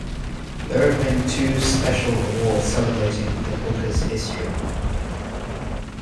There have been two special awards celebrating the Booker's history.